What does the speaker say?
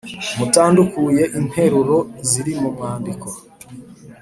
mutandukuye interuro ziri mu mwandiko.